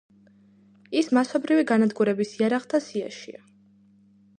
ის მასობრივი განადგურების იარაღთა სიაშია.